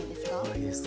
いいです。